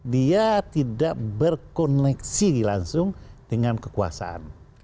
dia tidak berkoneksi langsung dengan kekuasaan